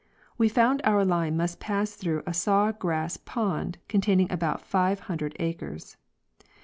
We found our line must pass through a saw grass pond, containing about five hundred acres.